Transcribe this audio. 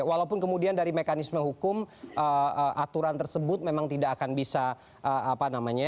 walaupun kemudian dari mekanisme hukum aturan tersebut memang tidak akan bisa apa namanya